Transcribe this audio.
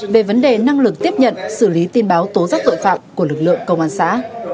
về vấn đề năng lực tiếp nhận xử lý tin báo tố rắc tội phạm của lực lượng công an xã